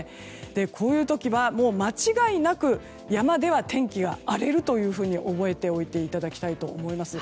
こういう時は、間違いなく山では天気が荒れるというふうに覚えておいていただきたいと思います。